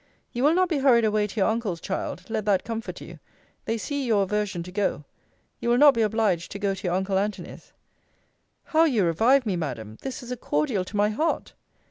You will not be hurried away to your uncle's, child; let that comfort you. They see your aversion to go. You will not be obliged to go to your uncle Antony's. How you revive me, Madam! this is a cordial to my heart!